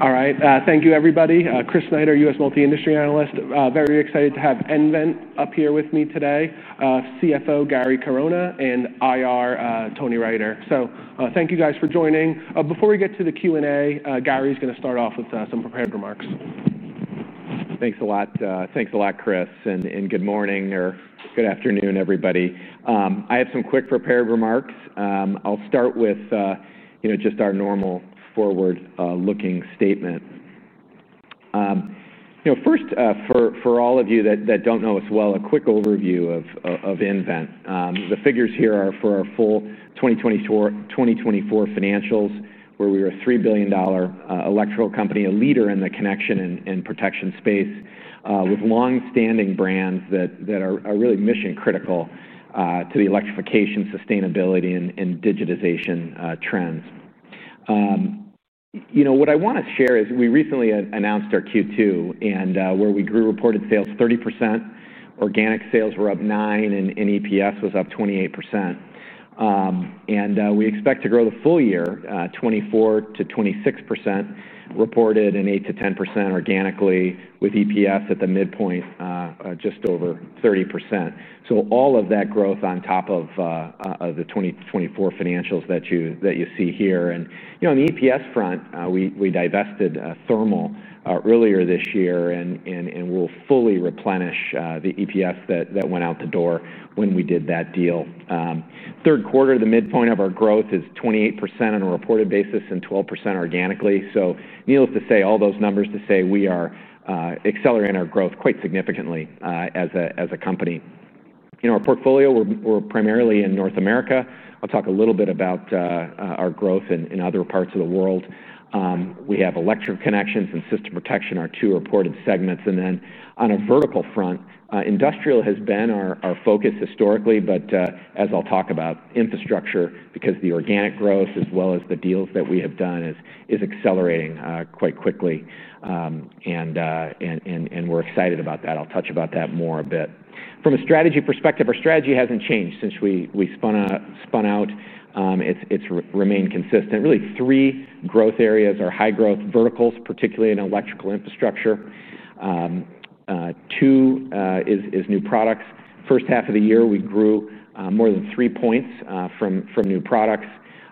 All right. Thank you, everybody. Chris Snyder, U.S. Multi-Industry Analyst. Very excited to have nVent up here with me today, CFO Gary Corona and IR, Tony Reynders. Thank you guys for joining. Before we get to the Q&A, Gary is going to start off with some prepared remarks. Thanks a lot. Thanks a lot, Chris. Good morning or good afternoon, everybody. I have some quick prepared remarks. I'll start with just our normal forward-looking statement. First, for all of you that don't know us well, a quick overview of nVent. The figures here are for our full 2024 financials, where we are a $3 billion electrical company, a leader in the connection and protection space, with longstanding brands that are really mission-critical to the electrification, sustainability, and digitization trends. What I want to share is we recently announced our Q2, where we grew reported sales 30%, organic sales were up 9%, and EPS was up 28%. We expect to grow the full year 24% to 26% reported and 8% to 10% organically, with EPS at the midpoint just over 30%. All of that growth is on top of the 2024 financials that you see here. On the EPS front, we divested Thermal earlier this year and will fully replenish the EPS that went out the door when we did that deal. Third quarter, the midpoint of our growth is 28% on a reported basis and 12% organically. Needless to say, all those numbers show we are accelerating our growth quite significantly as a company. Our portfolio is primarily in North America. I'll talk a little bit about our growth in other parts of the world. We have electrical connections and system protection, our two reported segments. On a vertical front, industrial has been our focus historically, but as I'll talk about, infrastructure, because the organic growth as well as the deals that we have done, is accelerating quite quickly. We're excited about that. I'll touch on that more a bit. From a strategy perspective, our strategy hasn't changed since we spun out. It's remained consistent. Really, three growth areas are high growth verticals, particularly in electrical infrastructure. Two is new products. First half of the year, we grew more than three points from new products.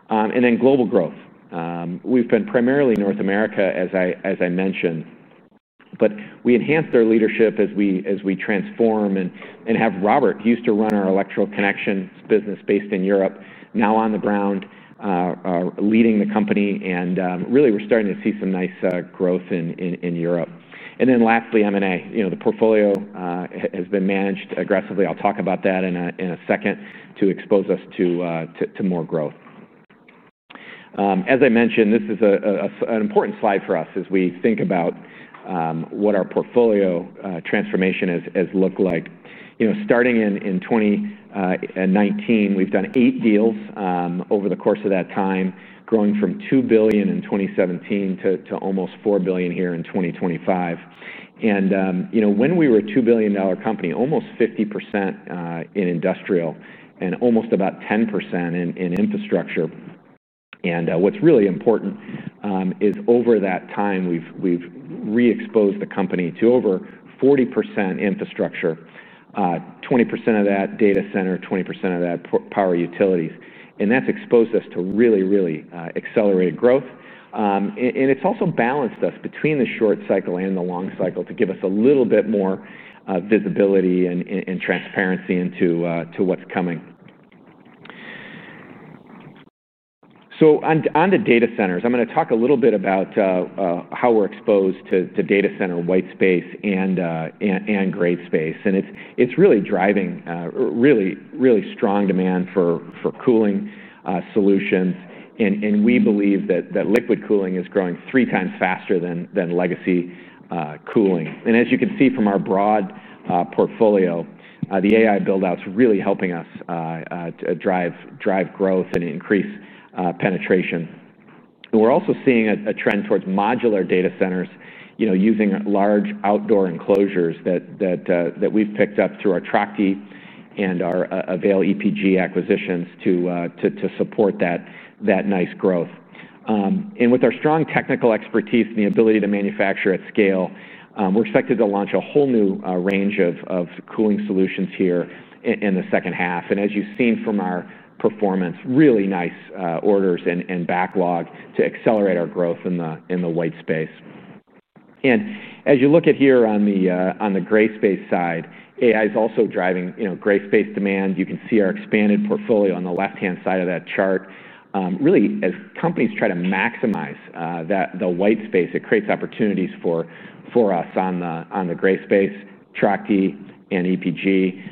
Global growth has been primarily North America, as I mentioned. We enhanced our leadership as we transform and have Robert, who used to run our electrical connections business based in Europe, now on the ground leading the company. We're starting to see some nice growth in Europe. Lastly, M&A. The portfolio has been managed aggressively. I'll talk about that in a second to expose us to more growth. As I mentioned, this is an important slide for us as we think about what our portfolio transformation has looked like. Starting in 2019, we've done eight deals over the course of that time, growing from $2 billion in 2017 to almost $4 billion here in 2025. When we were a $2 billion company, almost 50% in industrial and almost about 10% in infrastructure. What's really important is over that time, we've re-exposed the company to over 40% infrastructure, 20% of that data center, 20% of that power utilities. That's exposed us to really, really accelerated growth. It's also balanced us between the short cycle and the long cycle to give us a little bit more visibility and transparency into what's coming. On the data centers, I'm going to talk a little bit about how we're exposed to data center white space and gray space. It's really driving really, really strong demand for cooling solutions. We believe that liquid cooling is growing three times faster than legacy cooling. As you can see from our broad portfolio, the AI buildout is really helping us drive growth and increase penetration. We're also seeing a trend towards modular data centers, using large outdoor enclosures that we've picked up through our TRACTI and our EPG acquisitions to support that nice growth. With our strong technical expertise and the ability to manufacture at scale, we're expected to launch a whole new range of cooling solutions here in the second half. As you've seen from our performance, really nice orders and backlog to accelerate our growth in the white space. As you look at here on the gray space side, AI is also driving gray space demand. You can see our expanded portfolio on the left-hand side of that chart. Really, as companies try to maximize the white space, it creates opportunities for us on the gray space, TRACTI and EPG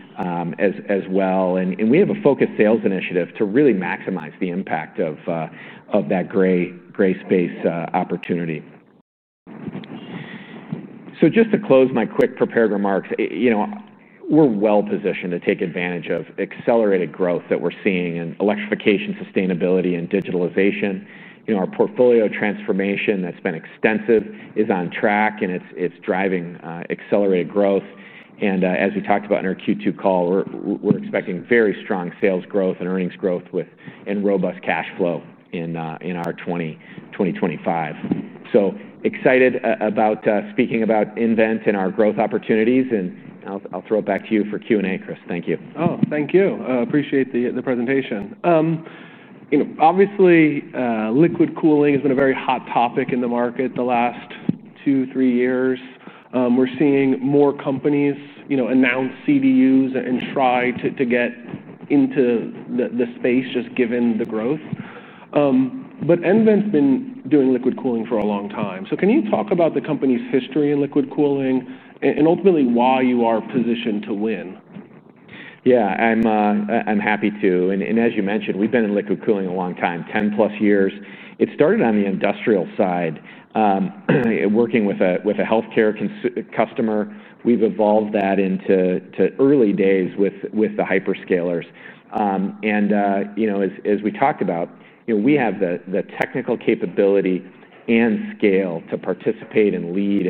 as well. We have a focused sales initiative to really maximize the impact of that gray space opportunity. Just to close my quick prepared remarks, we're well positioned to take advantage of accelerated growth that we're seeing in electrification, sustainability, and digitalization. Our portfolio transformation that's been extensive is on track, and it's driving accelerated growth. As we talked about in our Q2 call, we're expecting very strong sales growth and earnings growth and robust cash flow in our 2025. Excited about speaking about nVent and our growth opportunities. I'll throw it back to you for Q&A, Chris. Thank you. Thank you. I appreciate the presentation. Obviously, liquid cooling has been a very hot topic in the market the last two, three years. We're seeing more companies announce CDUs and try to get into the space just given the growth. nVent's been doing liquid cooling for a long time. Can you talk about the company's history in liquid cooling and ultimately why you are positioned to win? Yeah, I'm happy to. As you mentioned, we've been in liquid cooling a long time, 10+ years. It started on the industrial side, working with a healthcare customer. We've evolved that into early days with the hyperscalers. You know, as we talked about, we have the technical capability and scale to participate and lead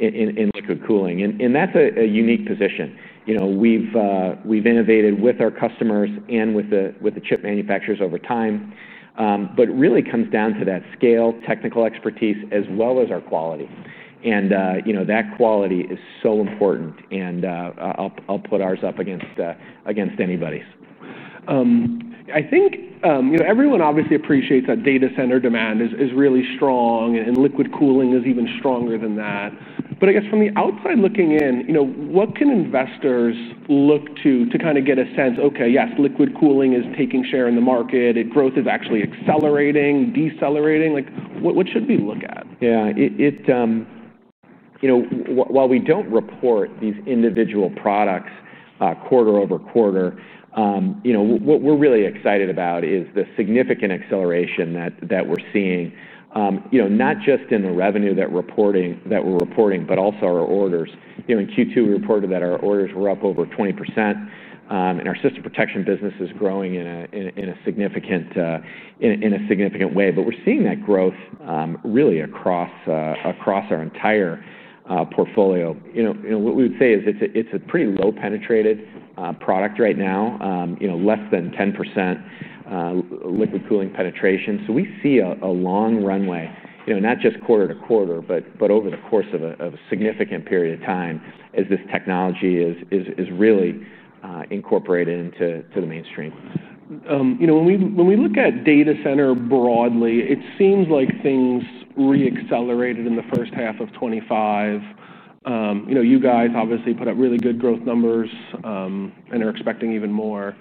in liquid cooling. That's a unique position. We've innovated with our customers and with the chip manufacturers over time. It really comes down to that scale, technical expertise, as well as our quality. That quality is so important. I'll put ours up against anybody's. I think everyone obviously appreciates that data center demand is really strong, and liquid cooling is even stronger than that. I guess from the outside looking in, what can investors look to in order to get a sense, okay, yes, liquid cooling is taking share in the market, growth is actually accelerating or decelerating, like what should we look at? Yeah, while we don't report these individual products quarter over quarter, what we're really excited about is the significant acceleration that we're seeing, not just in the revenue that we're reporting, but also our orders. In Q2, we reported that our orders were up over 20%. Our system protection business is growing in a significant way. We're seeing that growth really across our entire portfolio. What we would say is it's a pretty low penetrated product right now, less than 10% liquid cooling penetration. We see a long runway, not just quarter to quarter, but over the course of a significant period of time as this technology is really incorporated into the mainstream. When we look at data center broadly, it seems like things re-accelerated in the first half of 2025. You guys obviously put up really good growth numbers and are expecting even more.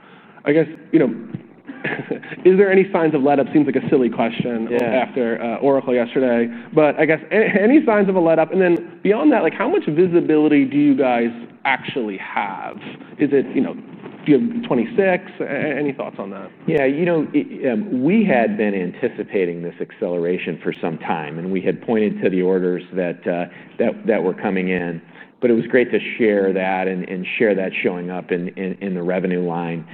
Is there any signs of letup? Seems like a silly question after Oracle yesterday. Any signs of a letup? Beyond that, how much visibility do you guys actually have? Is it, do you have 2026? Any thoughts on that? Yeah, you know, we had been anticipating this acceleration for some time. We had pointed to the orders that were coming in. It was great to share that and share that showing up in the revenue line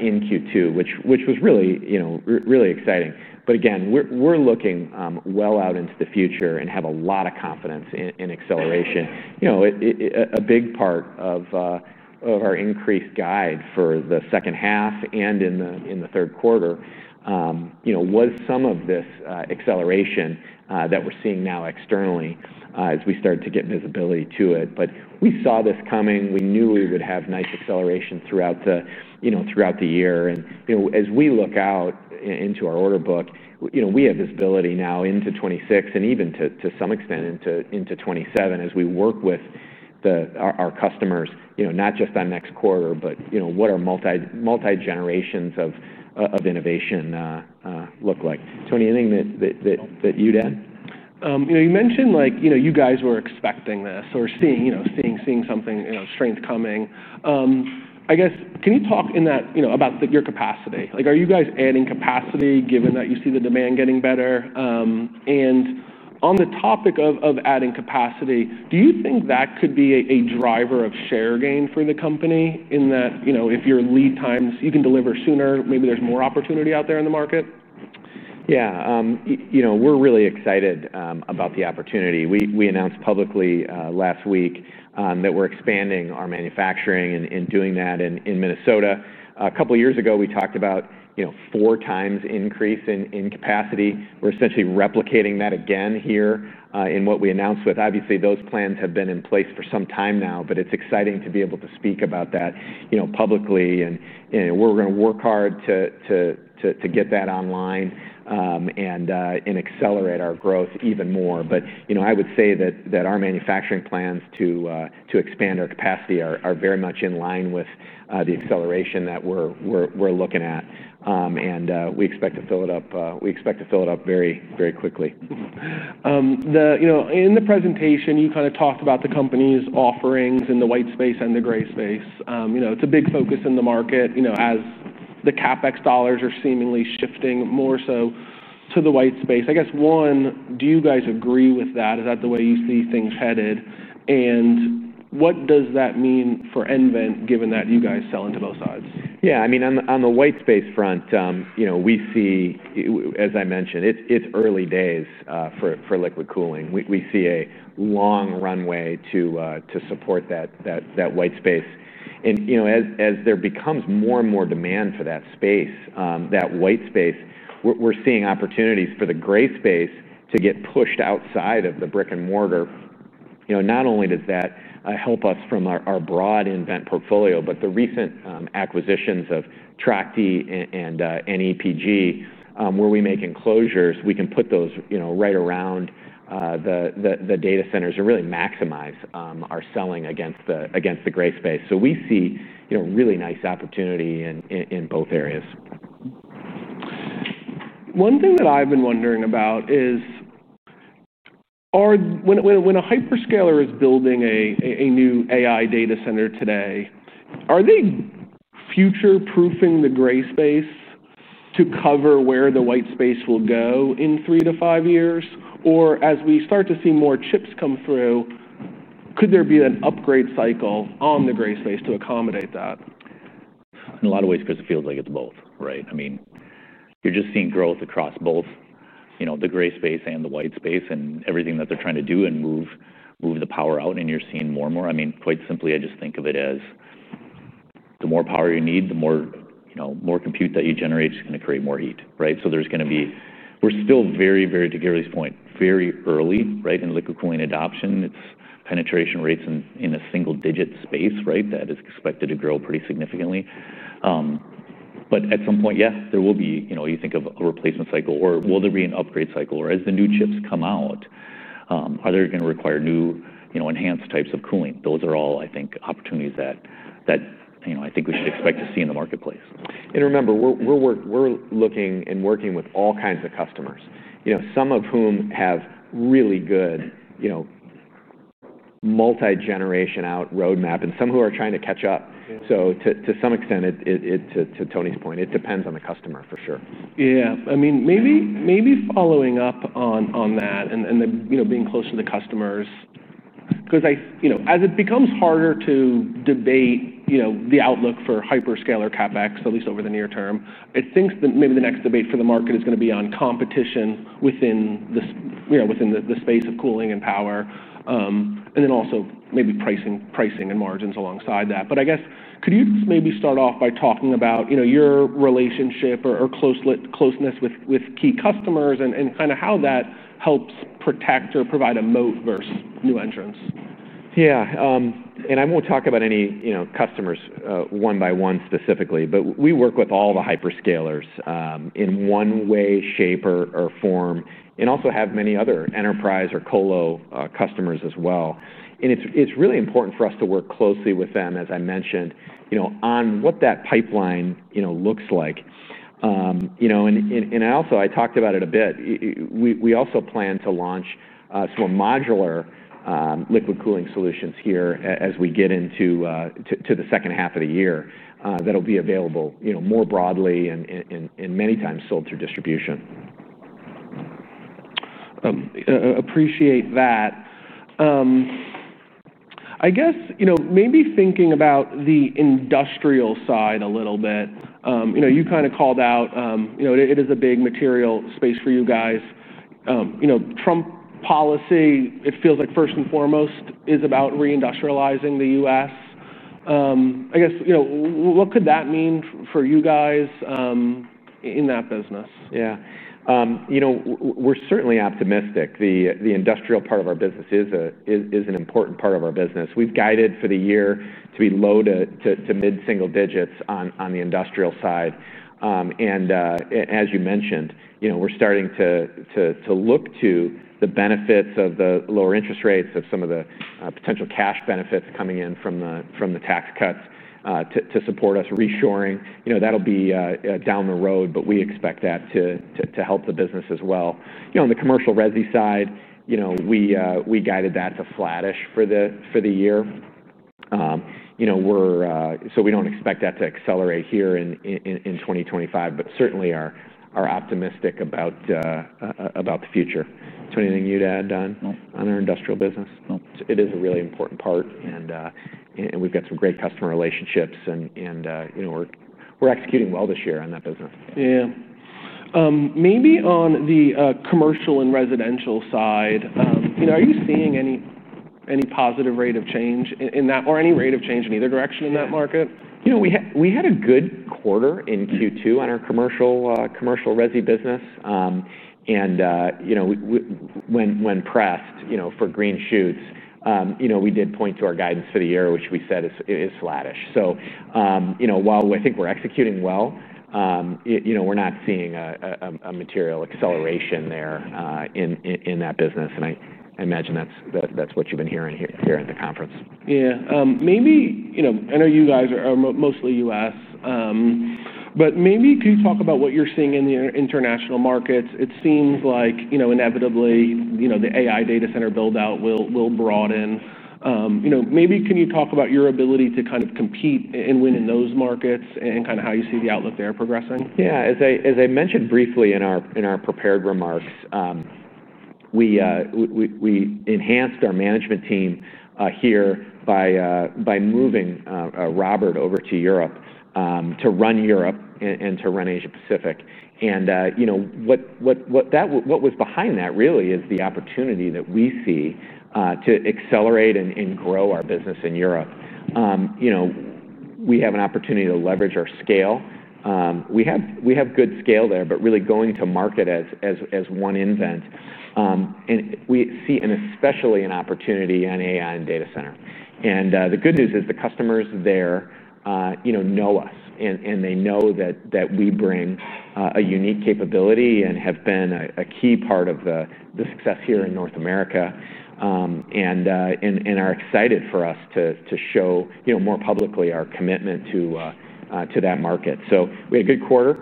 in Q2, which was really, you know, really exciting. We're looking well out into the future and have a lot of confidence in acceleration. A big part of our increased guide for the second half and in the third quarter was some of this acceleration that we're seeing now externally as we started to get visibility to it. We saw this coming. We knew we would have nice acceleration throughout the year. As we look out into our order book, we have visibility now into 2026 and even to some extent into 2027 as we work with our customers, not just on next quarter, but what our multi-generations of innovation look like. Tony, anything that you'd add? You mentioned you guys were expecting this or seeing something, seeing strength coming. Can you talk about your capacity? Are you guys adding capacity given that you see the demand getting better? On the topic of adding capacity, do you think that could be a driver of share gain for the company if your lead times, you can deliver sooner, maybe there's more opportunity out there in the market? Yeah, you know, we're really excited about the opportunity. We announced publicly last week that we're expanding our manufacturing and doing that in Minnesota. A couple of years ago, we talked about, you know, four times increase in capacity. We're essentially replicating that again here in what we announced. Obviously, those plans have been in place for some time now, but it's exciting to be able to speak about that publicly. We're going to work hard to get that online and accelerate our growth even more. I would say that our manufacturing plans to expand our capacity are very much in line with the acceleration that we're looking at. We expect to fill it up, we expect to fill it up very, very quickly. In the presentation, you kind of talked about the company's offerings in the white space and the gray space. It's a big focus in the market, as the CapEx dollars are seemingly shifting more so to the white space. I guess, one, do you guys agree with that? Is that the way you see things headed? What does that mean for nVent, given that you guys sell into both sides? Yeah, I mean, on the white space front, we see, as I mentioned, it's early days for liquid cooling. We see a long runway to support that white space. As there becomes more and more demand for that space, that white space, we're seeing opportunities for the gray space to get pushed outside of the brick and mortar. Not only does that help us from our broad nVent portfolio, but the recent acquisitions of TRACTI and EPG, where we make enclosures, we can put those right around the data centers to really maximize our selling against the gray space. We see really nice opportunity in both areas. One thing that I've been wondering about is when a hyperscaler is building a new AI data center today, are they future-proofing the gray space to cover where the white space will go in three to five years? Or as we start to see more chips come through, could there be an upgrade cycle on the gray space to accommodate that? In a lot of ways, Chris, it feels like it's both, right? I mean, you're just seeing growth across both the gray space and the white space and everything that they're trying to do and move the power out. You're seeing more and more. Quite simply, I just think of it as the more power you need, the more compute that you generate is going to create more heat, right? There's going to be, we're still very, very, to Gary's point, very early, right, in liquid cooling adoption. Its penetration rates in a single-digit space, right, that is expected to grow pretty significantly. At some point, yeah, you think of a replacement cycle, or will there be an upgrade cycle, or as the new chips come out, are they going to require new, enhanced types of cooling? Those are all, I think, opportunities that I think we should expect to see in the marketplace. Remember, we're looking and working with all kinds of customers, some of whom have really good, multi-generation out roadmap and some who are trying to catch up. To some extent, to Tony's point, it depends on the customer for sure. Yeah, maybe following up on that and being close to the customers, because as it becomes harder to debate the outlook for hyperscaler CapEx, at least over the near term, I think that maybe the next debate for the market is going to be on competition within the space of cooling and power. Also, maybe pricing and margins alongside that. I guess, could you maybe start off by talking about your relationship or closeness with key customers and kind of how that helps protect or provide a moat versus new entrants? Yeah, I won't talk about any customers one by one specifically, but we work with all the hyperscalers in one way, shape, or form and also have many other enterprise or colo customers as well. It's really important for us to work closely with them, as I mentioned, on what that pipeline looks like. I also talked about it a bit. We also plan to launch some modular liquid cooling solutions here as we get into the second half of the year that will be available more broadly and many times sold through distribution. Appreciate that. I guess, maybe thinking about the industrial side a little bit, you kind of called out, it is a big material space for you guys. Trump policy, it feels like first and foremost is about reindustrializing the U.S. I guess, what could that mean for you guys in that business? Yeah, you know, we're certainly optimistic. The industrial part of our business is an important part of our business. We've guided for the year to be low to mid-single digits on the industrial side. As you mentioned, you know, we're starting to look to the benefits of the lower interest rates of some of the potential cash benefits coming in from the tax cuts to support us reshoring. That'll be down the road, but we expect that to help the business as well. On the commercial residue side, you know, we guided that to flattish for the year. We don't expect that to accelerate here in 2025, but certainly are optimistic about the future. Tony, anything you'd add on our industrial business? Nope. It is a really important part, and we've got some great customer relationships, and we're executing well this year on that business. Maybe on the commercial and residential side, are you seeing any positive rate of change in that or any rate of change in either direction in that market? We had a good quarter in Q2 on our commercial residue business. When pressed for green shoots, we did point to our guidance for the year, which we said is flattish. While I think we're executing well, we're not seeing a material acceleration there in that business. I imagine that's what you've been hearing here at the conference. Yeah. Maybe, you know, I know you guys are mostly US, but maybe can you talk about what you're seeing in the international markets? It seems like, you know, inevitably, you know, the AI data center buildout will broaden. Maybe can you talk about your ability to kind of compete and win in those markets and kind of how you see the outlook there progressing? Yeah, as I mentioned briefly in our prepared remarks, we enhanced our management team here by moving Robert over to Europe to run Europe and to run Asia-Pacific. What was behind that really is the opportunity that we see to accelerate and grow our business in Europe. We have an opportunity to leverage our scale. We have good scale there, but really going to market as one nVent. We see especially an opportunity in AI and data center. The good news is the customers there know us, and they know that we bring a unique capability and have been a key part of the success here in North America. They are excited for us to show more publicly our commitment to that market. We had a good quarter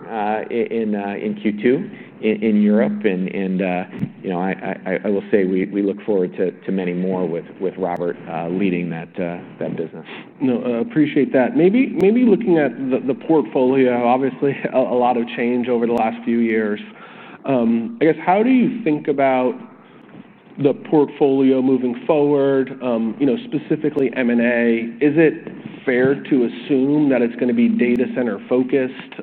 in Q2 in Europe, and I will say we look forward to many more with Robert leading that business. No, appreciate that. Maybe looking at the portfolio, obviously a lot of change over the last few years. I guess, how do you think about the portfolio moving forward? Specifically, M&A, is it fair to assume that it's going to be data center focused?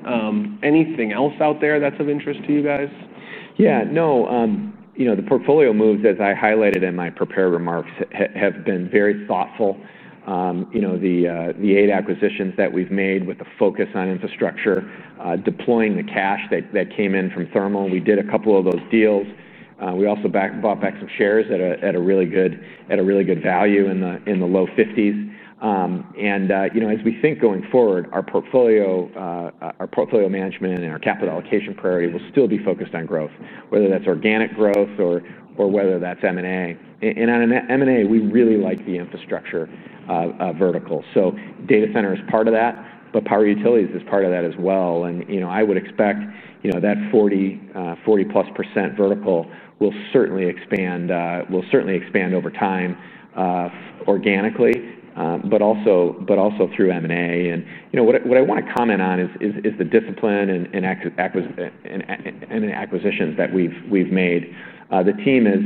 Anything else out there that's of interest to you guys? Yeah, no, you know, the portfolio moves, as I highlighted in my prepared remarks, have been very thoughtful. The eight acquisitions that we've made with a focus on infrastructure, deploying the cash that came in from Thermal, we did a couple of those deals. We also bought back some shares at a really good value in the low $50s. As we think going forward, our portfolio management and our capital allocation priority will still be focused on growth, whether that's organic growth or whether that's M&A. On M&A, we really like the infrastructure vertical. Data center is part of that, but power utilities is part of that as well. I would expect that 40+% vertical will certainly expand over time organically, but also through M&A. What I want to comment on is the discipline in acquisitions that we've made. The team is,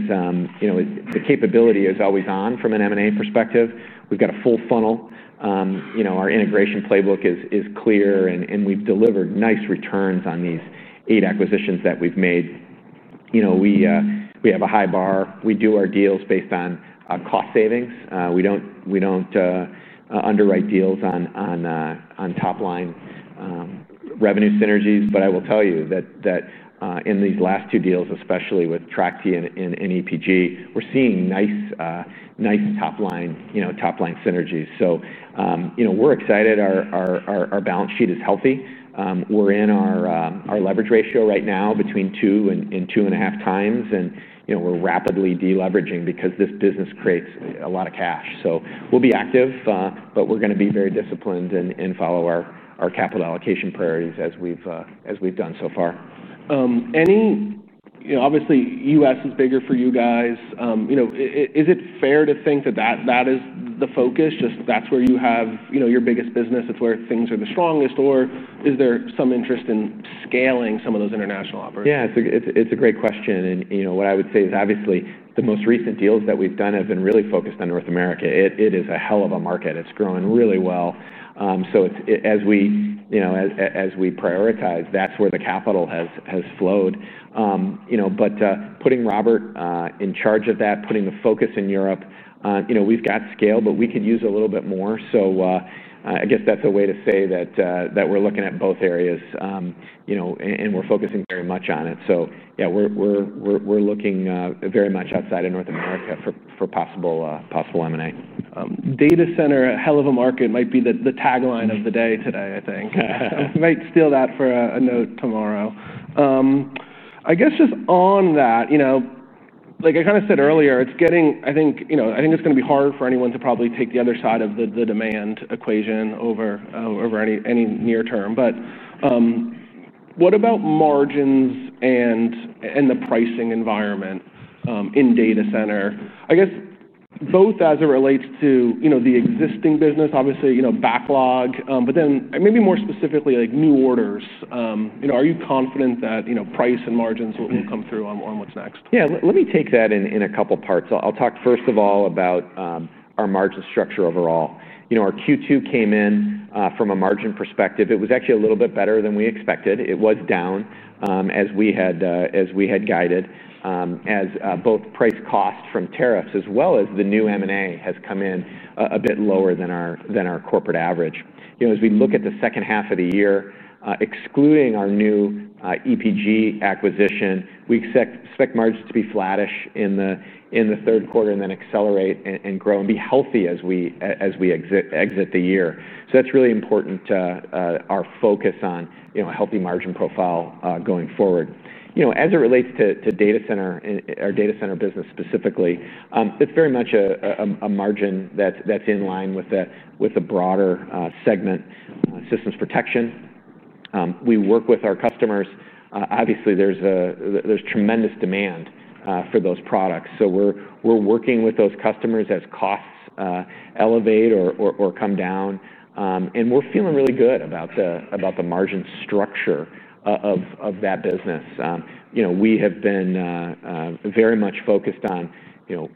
you know, the capability is always on from an M&A perspective. We've got a full funnel. Our integration playbook is clear, and we've delivered nice returns on these eight acquisitions that we've made. We have a high bar. We do our deals based on cost savings. We don't underwrite deals on top line revenue synergies. I will tell you that in these last two deals, especially with TRACTI and EPG, we're seeing nice top line synergies. We're excited. Our balance sheet is healthy. We're in our leverage ratio right now between two and two and a half times. We're rapidly deleveraging because this business creates a lot of cash. We'll be active, but we're going to be very disciplined and follow our capital allocation priorities as we've done so far. Obviously, the U.S. is bigger for you guys. Is it fair to think that that is the focus? Just that's where you have your biggest business, it's where things are the strongest. Or is there some interest in scaling some of those international offers? Yeah, it's a great question. What I would say is obviously the most recent deals that we've done have been really focused on North America. It is a hell of a market. It's growing really well. As we prioritize, that's where the capital has flowed. Putting Robert in charge of that, putting the focus in Europe, we've got scale, but we could use a little bit more. I guess that's a way to say that we're looking at both areas, and we're focusing very much on it. Yeah, we're looking very much outside of North America for possible M&A. Data center, a hell of a market might be the tagline of the day today, I think. We might steal that for a note tomorrow. I guess just on that, like I kind of said earlier, it's getting, I think it's going to be hard for anyone to probably take the other side of the demand equation over any near term. What about margins and the pricing environment in data center? I guess both as it relates to the existing business, obviously, backlog, but then maybe more specifically, like new orders. Are you confident that price and margins will come through on what's next? Yeah, let me take that in a couple parts. I'll talk first of all about our margin structure overall. You know, our Q2 came in from a margin perspective. It was actually a little bit better than we expected. It was down as we had guided, as both price cost from tariffs, as well as the new M&A, has come in a bit lower than our corporate average. You know, as we look at the second half of the year, excluding our new EPG acquisition, we expect margins to be flattish in the third quarter and then accelerate and grow and be healthy as we exit the year. That's really important to our focus on a healthy margin profile going forward. You know, as it relates to data center and our data center business specifically, it's very much a margin that's in line with the broader segment, systems protection. We work with our customers. Obviously, there's tremendous demand for those products. We're working with those customers as costs elevate or come down. We're feeling really good about the margin structure of that business. We have been very much focused on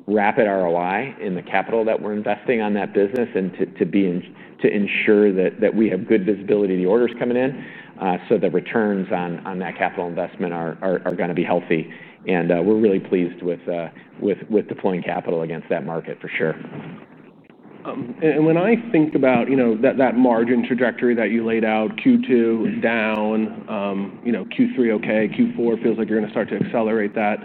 rapid ROI in the capital that we're investing on that business and to ensure that we have good visibility to the orders coming in so that returns on that capital investment are going to be healthy. We're really pleased with deploying capital against that market for sure. When I think about that margin trajectory that you laid out, Q2 down, Q3 OK, Q4 feels like you're going to start to accelerate that.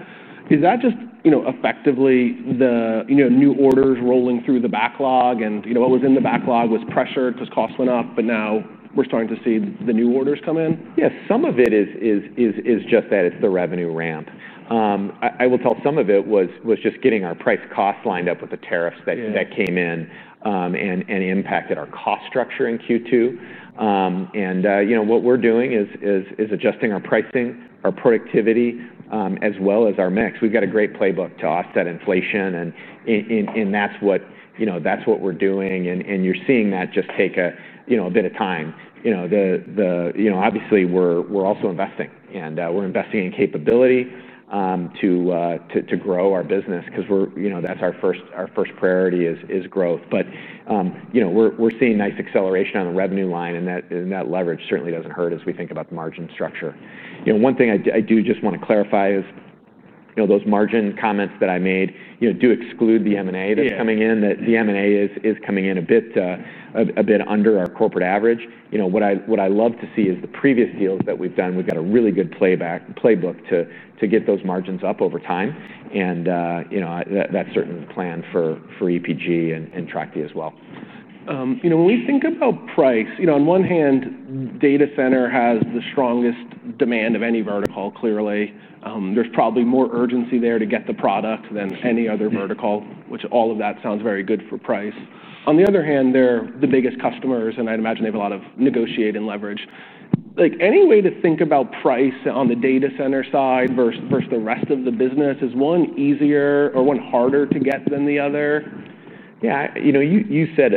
Is that just effectively the new orders rolling through the backlog and what was in the backlog was pressure because cost went up, but now we're starting to see the new orders come in? Yeah, some of it is just that it's the revenue ramp. Some of it was just getting our price cost lined up with the tariffs that came in and impacted our cost structure in Q2. You know, what we're doing is adjusting our pricing, our productivity, as well as our mix. We've got a great playbook to offset inflation. That's what we're doing. You're seeing that just take a bit of time. Obviously, we're also investing. We're investing in capability to grow our business because, you know, our first priority is growth. We're seeing nice acceleration on the revenue line, and that leverage certainly doesn't hurt as we think about the margin structure. One thing I do just want to clarify is those margin comments that I made do exclude the M&A that's coming in. The M&A is coming in a bit under our corporate average. What I love to see is the previous deals that we've done, we've got a really good playbook to get those margins up over time. That's certainly the plan for EPG and TRACTI as well. When we think about price, on one hand, data center has the strongest demand of any vertical, clearly. There's probably more urgency there to get the product than any other vertical, which all of that sounds very good for price. On the other hand, they're the biggest customers. I'd imagine they have a lot of negotiating leverage. Any way to think about price on the data center side versus the rest of the business? Is one easier or one harder to get than the other? Yeah, you said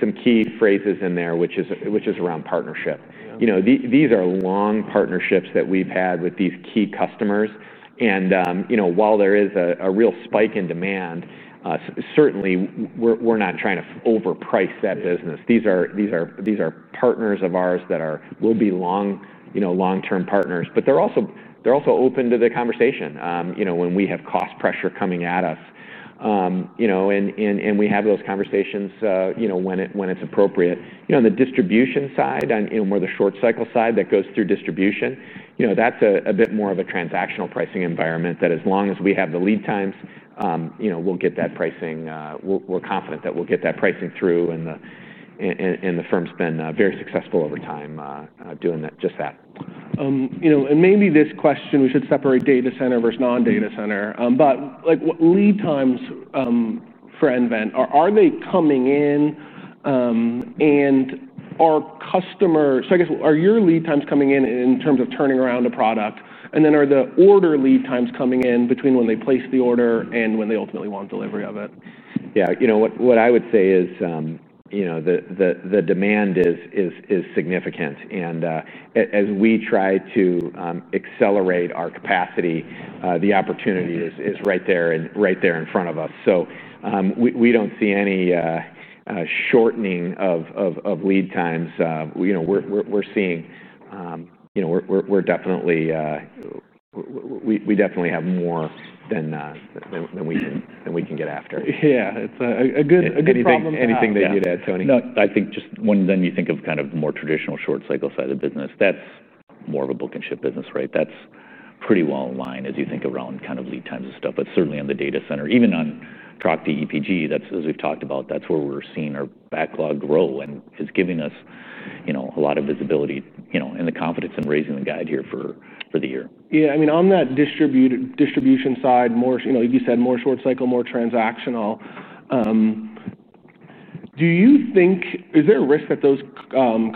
some key phrases in there, which is around partnership. These are long partnerships that we've had with these key customers. While there is a real spike in demand, certainly, we're not trying to overprice that business. These are partners of ours that will be long-term partners. They're also open to the conversation when we have cost pressure coming at us. We have those conversations when it's appropriate. On the distribution side, more the short cycle side that goes through distribution, that's a bit more of a transactional pricing environment that as long as we have the lead times, we'll get that pricing. We're confident that we'll get that pricing through. The firm's been very successful over time doing just that. You know, maybe this question, we should separate data center versus non-data center. What lead times for nVent, are they coming in and are customers? I guess, are your lead times coming in in terms of turning around a product? Are the order lead times coming in between when they place the order and when they ultimately want delivery of it? What I would say is, the demand is significant. As we try to accelerate our capacity, the opportunity is right there in front of us. We don't see any shortening of lead times. We're seeing we definitely have more than we can get after. Yeah, it's a good problem. Anything that you'd add, Tony? No, I think just one, then you think of kind of the more traditional short cycle side of the business. That's more of a book and ship business, right? That's pretty well in line as you think around kind of lead times and stuff. Certainly on the data center, even on TRACTI, EPG, as we've talked about, that's where we're seeing our backlog grow and is giving us a lot of visibility and the confidence in raising the guide here for the year. Yeah, I mean, on that distribution side, more, like you said, more short cycle, more transactional. Do you think, is there a risk that those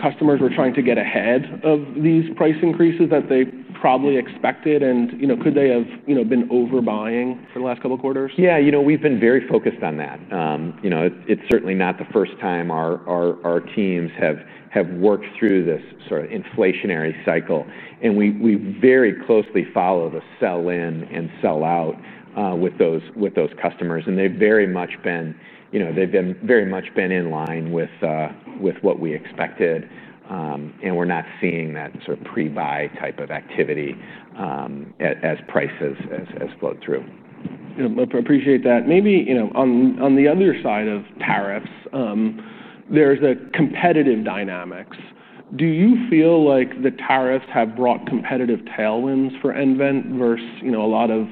customers were trying to get ahead of these price increases that they probably expected? Could they have been overbuying for the last couple of quarters? Yeah, we've been very focused on that. It's certainly not the first time our teams have worked through this sort of inflationary cycle. We very closely follow the sell-in and sell-out with those customers. They've very much been in line with what we expected. We're not seeing that sort of pre-buy type of activity as prices flow through. I appreciate that. Maybe, on the other side of tariffs, there's a competitive dynamics. Do you feel like the tariffs have brought competitive tailwinds for nVent versus a lot of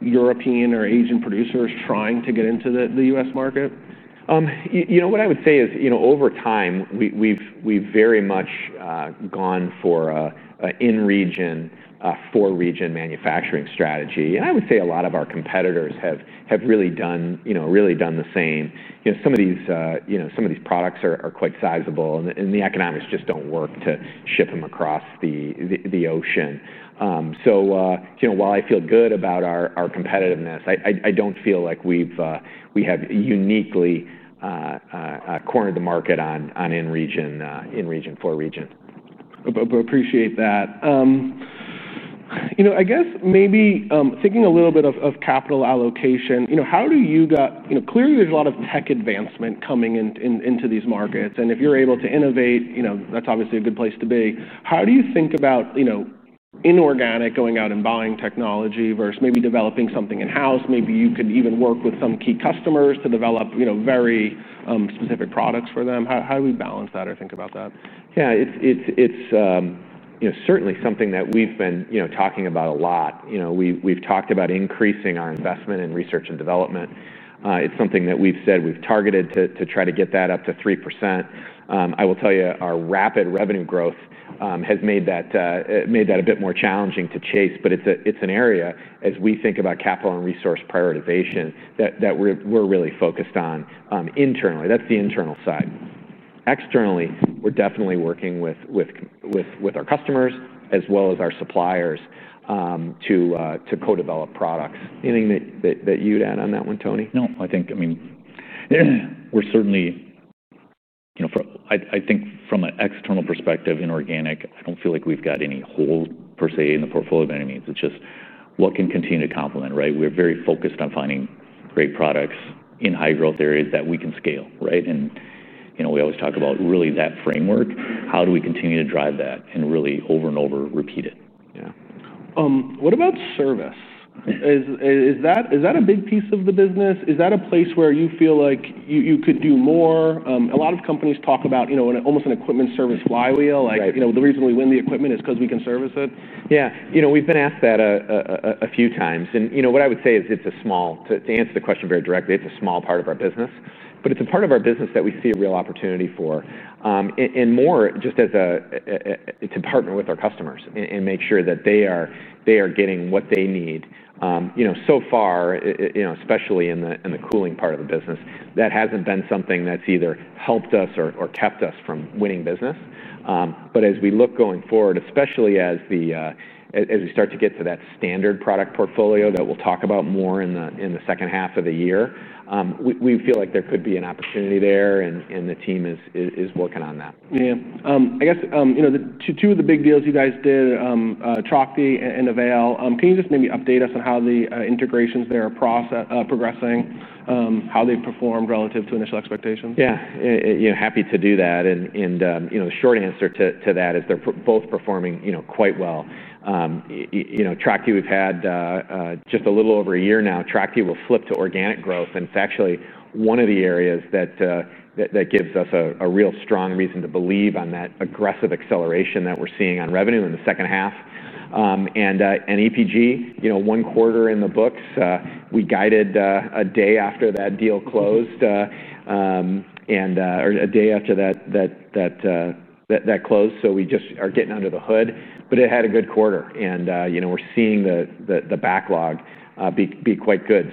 European or Asian producers trying to get into the U.S. market? What I would say is, over time, we've very much gone for an in-region, for-region manufacturing strategy. I would say a lot of our competitors have really done the same. Some of these products are quite sizable, and the economics just don't work to ship them across the ocean. While I feel good about our competitiveness, I don't feel like we have uniquely cornered the market on in-region, for-region. Appreciate that. I guess maybe thinking a little bit of capital allocation, how do you, you know, clearly there's a lot of tech advancement coming into these markets. If you're able to innovate, that's obviously a good place to be. How do you think about inorganic, going out and buying technology versus maybe developing something in-house? Maybe you could even work with some key customers to develop very specific products for them. How do we balance that or think about that? Yeah, it's certainly something that we've been talking about a lot. We've talked about increasing our investment in research and development. It's something that we've said we've targeted to try to get that up to 3%. I will tell you, our rapid revenue growth has made that a bit more challenging to chase. It's an area, as we think about capital and resource prioritization, that we're really focused on internally. That's the internal side. Externally, we're definitely working with our customers as well as our suppliers to co-develop products. Anything that you'd add on that one, Tony? No, I think we're certainly, you know, I think from an external perspective, inorganic, I don't feel like we've got any hole per se in the portfolio by any means. It's just what can continue to complement, right? We're very focused on finding great products in high growth areas that we can scale, right? You know, we always talk about really that framework. How do we continue to drive that and really over and over repeat it? Yeah. What about service? Is that a big piece of the business? Is that a place where you feel like you could do more? A lot of companies talk about, you know, almost an equipment service flywheel, like, you know, the reason we win the equipment is because we can service it. Yeah, we've been asked that a few times. What I would say is it's a small, to answer the question very directly, it's a small part of our business. It's a part of our business that we see a real opportunity for, more just as a way to partner with our customers and make sure that they are getting what they need. So far, especially in the cooling part of the business, that hasn't been something that's either helped us or kept us from winning business. As we look going forward, especially as we start to get to that standard product portfolio that we'll talk about more in the second half of the year, we feel like there could be an opportunity there. The team is working on that. Yeah, I guess, you know, two of the big deals you guys did, TRACTI and AVAIL, can you just maybe update us on how the integrations there are progressing, how they performed relative to initial expectations? Yeah, happy to do that. The short answer to that is they're both performing quite well. TRACTI, we've had just a little over a year now. TRACTI will flip to organic growth. It's actually one of the areas that gives us a real strong reason to believe on that aggressive acceleration that we're seeing on revenue in the second half. EPG, one quarter in the books. We guided a day after that deal closed and a day after that closed. We just are getting under the hood. It had a good quarter. We're seeing the backlog be quite good.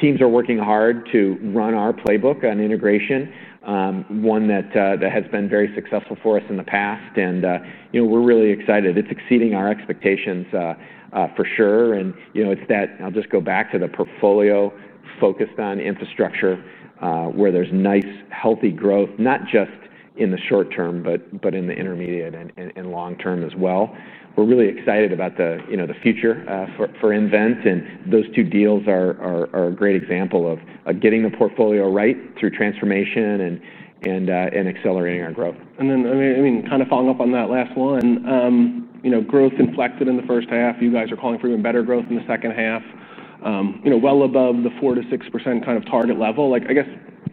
Teams are working hard to run our playbook on integration, one that has been very successful for us in the past. We're really excited. It's exceeding our expectations for sure. I'll just go back to the portfolio focused on infrastructure where there's nice healthy growth, not just in the short term, but in the intermediate and long term as well. We're really excited about the future for nVent. Those two deals are a great example of getting the portfolio right through transformation and accelerating our growth. Following up on that last one, growth inflected in the first half. You guys are calling for even better growth in the second half, well above the 4% to 6% target level.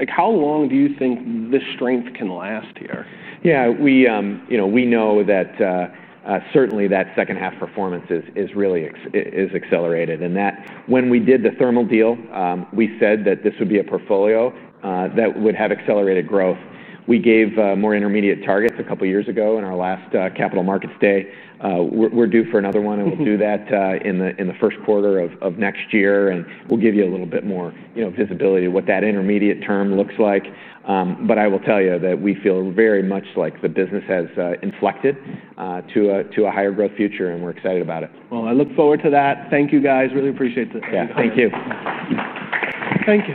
How long do you think this strength can last here? Yeah, we know that certainly that second half performance is really accelerated. When we did the Thermal deal, we said that this would be a portfolio that would have accelerated growth. We gave more intermediate targets a couple of years ago in our last capital markets day. We're due for another one, and we'll do that in the first quarter of next year. We'll give you a little bit more visibility to what that intermediate term looks like. I will tell you that we feel very much like the business has inflected to a higher growth future, and we're excited about it. I look forward to that. Thank you, guys. Really appreciate it. Thank you. Thank you.